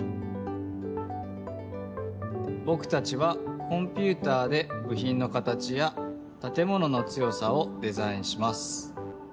ぼくたちはコンピューターでぶひんの形やたてものの強さをデザインします。